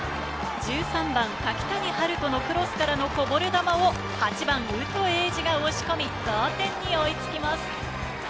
１３番・瀧谷陽斗のクロスからのこぼれ球を８番・鵜戸瑛士が押し込み、同点に追いつきます。